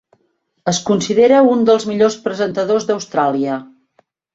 Es considera un dels millors presentadors d'Austràlia.